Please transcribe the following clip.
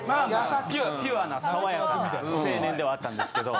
ピュアな爽やかな青年ではあったんですけど。